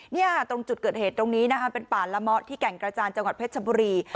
ตรงจุดเกิดเหตุตรงนี้นะคะเป็นป่าละเมาะที่แก่งกระจานจังหวัดเพชรชบุรี